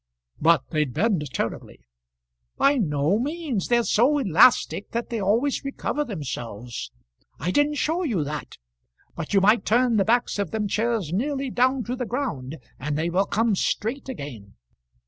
"But they'd bend terribly." "By no means. They're so elastic that they always recovers themselves. I didn't show you that; but you might turn the backs of them chairs nearly down to the ground, and they will come straight again.